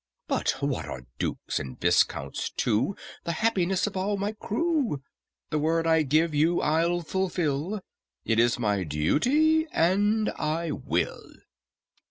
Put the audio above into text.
"But what are dukes and viscounts to The happiness of all my crew? The word I gave you I'll fulfil; It is my duty, and I will.